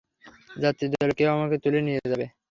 যাত্রীদলের কেউ তাকে তুলে নিয়ে যাবে।